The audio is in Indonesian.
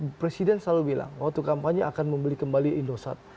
pak presiden selalu bilang waktu kampanye akan membeli kembali indosat